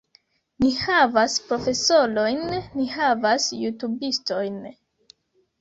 Ni havas profesorojn, ni havas jutubistojn